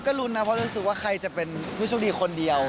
ก็ลุ้นนะเพราะรู้สึกว่าใครจะเป็นผู้โชคดีคนเดียว